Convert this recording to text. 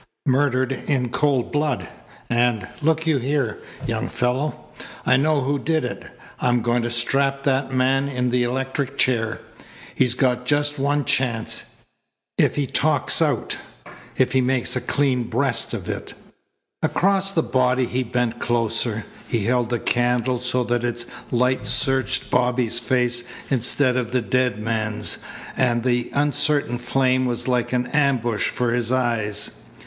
"Murdered in cold blood, and, look you here, young fellow, I know who did it. I'm going to strap that man in the electric chair. He's got just one chance if he talks out, if he makes a clean breast of it." Across the body he bent closer. He held the candle so that its light searched Bobby's face instead of the dead man's, and the uncertain flame was like an ambush for his eyes.